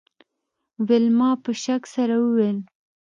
ویلما په شک سره وویل